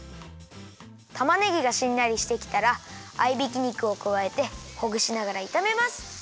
たまねぎがしんなりしてきたら合いびき肉をくわえてほぐしながらいためます。